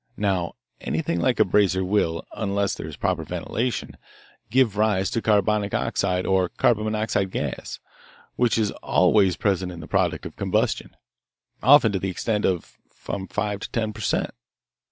Now, anything like a brazier will, unless there is proper ventilation, give rise to carbonic oxide or carbon monoxide gas, which is always present in the products of combustion, often to the extent of from five to ten per cent.